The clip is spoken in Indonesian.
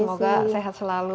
semoga sehat selalu